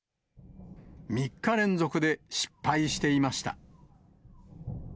３日連続で失敗していました。